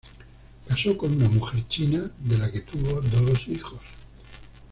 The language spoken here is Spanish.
Casó con una mujer china, de la que tuvo dos hijos.